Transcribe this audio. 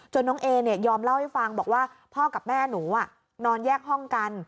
น้องเอเนี่ยยอมเล่าให้ฟังบอกว่าพ่อกับแม่หนูนอนแยกห้องกัน